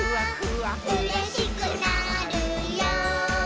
「うれしくなるよ」